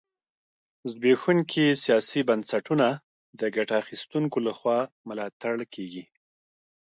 زبېښونکي سیاسي بنسټونه د ګټه اخیستونکو لخوا ملاتړ کېږي.